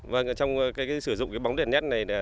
vâng trong sử dụng bóng đèn led này